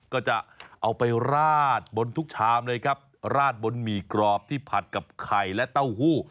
ก็จะเอาไปราดบนทุกชามเลยครับราดบนหมี่กรอบที่ผัดกับไข่และเต้าหู้